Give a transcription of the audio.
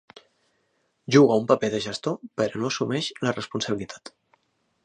Juga un paper de gestor però no assumeix la responsabilitat.